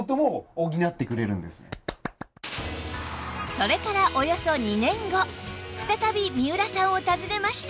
それからおよそ２年後再び三浦さんを訪ねました